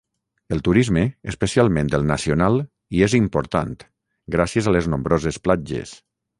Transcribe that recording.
El turisme, especialment el nacional, hi és important, gràcies a les nombroses platges.